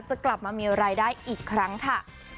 จะกลับมามีรายได้อีกครั้งค่ะ